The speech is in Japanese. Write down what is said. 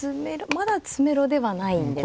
まだ詰めろではないんですね